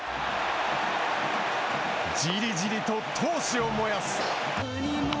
じりじりと、闘志を燃やす。